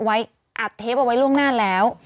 อัดเทปเอาไว้ล่วงหน้าแล้ว